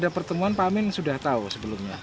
ada pertemuan pak amin sudah tahu sebelumnya